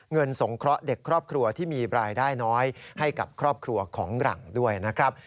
สงเคราะห์เด็กครอบครัวที่มีรายได้น้อยให้กับครอบครัวของหลังด้วยนะครับ